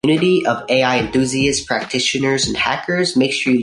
Se alimenta en el suelo, principalmente de insectos y pequeños invertebrados.